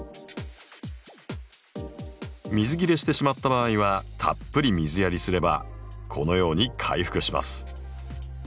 水切れしてしまった場合はたっぷり水やりすればこのように回復します。